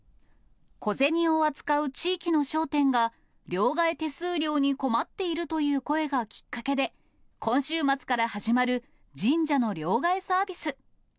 小銭を扱う地域の商店が、両替手数料に困っているという声がきっかけで、今週末から始まる神社の両替サービス。